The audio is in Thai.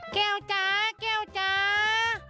แก้วจ๋าแก้วจ๋า